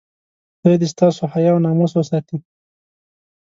خدای دې ستاسو حیا او ناموس وساتي.